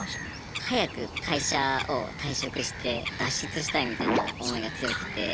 早く会社を退職して脱出したいみたいな思いが強くて。